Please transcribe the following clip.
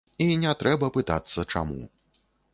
І не трэба пытацца, чаму.